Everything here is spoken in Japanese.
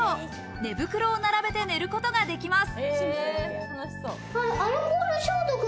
寝袋を並べて寝ることができます。